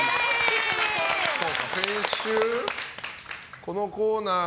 先週このコーナー。